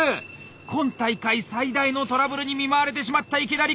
今大会最大のトラブルに見舞われてしまった池田陸！